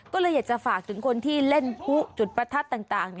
ก็เลยอยากจะฝากถึงคนที่เล่นผู้จุดประทัดต่าง